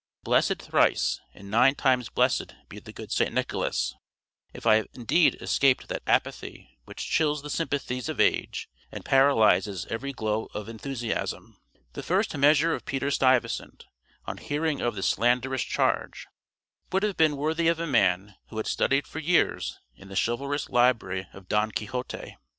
Blessed thrice, and nine times blessed be the good St. Nicholas, if I have indeed escaped that apathy which chills the sympathies of age and paralyses every glow of enthusiasm. The first measure of Peter Stuyvesant, on hearing of this slanderous charge, would have been worthy of a man who had studied for years in the chivalrous library of Don Quixote.